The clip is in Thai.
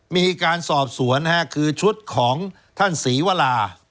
มีการสอบสวนคือชุดของท่านศรีวรา